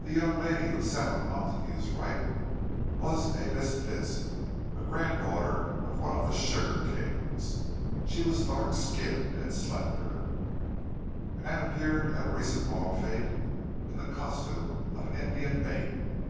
The young lady who sat on Montague's right was a Miss Vincent, a granddaughter of one of the sugar kings; she was dark skinned and slender, and had appeared at a recent lawn fête in the costume of an Indian maiden.